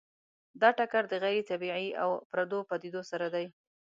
دا ټکر د غیر طبیعي او پردو پدیدو سره دی.